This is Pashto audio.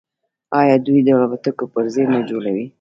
آیا دوی د الوتکو پرزې نه جوړوي؟